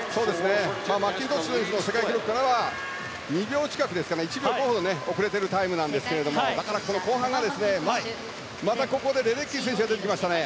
マッキントッシュ選手の世界記録からは２秒近くですか１秒５ほど遅れているタイムですがなかなか後半がまたここでレデッキー選手が出てきましたね。